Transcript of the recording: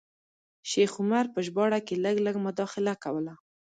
شیخ عمر په ژباړه کې لږ لږ مداخله کوله.